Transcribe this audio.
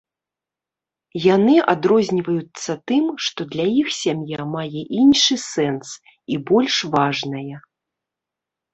Яны адрозніваюцца тым, што для іх сям'я мае іншы сэнс і больш важная.